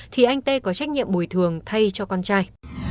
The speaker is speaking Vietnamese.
thì anh tê có trách nhiệm bồi thường thay cho con trai